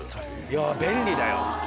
いや便利だよ。